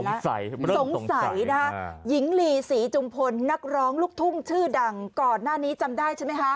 สงสัยนะฮะหญิงลีศรีจุมพลนักร้องลูกทุ่งชื่อดังก่อนหน้านี้จำได้ใช่ไหมคะ